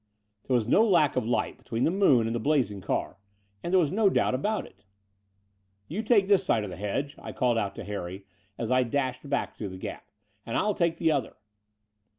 There was no lack of light between the moon and the blazing car ; and there was no doubt about it. '*You take this side of the hedge," I called out to Harry, as I dashed back through the gap, and ril take the other."